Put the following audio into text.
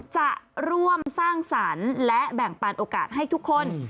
จะร่วมสร้างสรรค์และแบ่งปันโอกาสให้ทุกคน